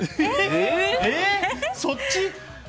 そっち？